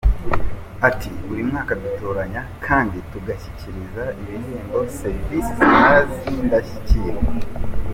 Ati “Buri mwaka dutoranya kandi tugashyikiriza ibihembo serivisi z’imari z’indashyikirwa.